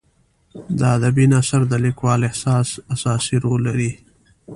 د ادبي نثر د لیکوال احساس اساسي رول لري.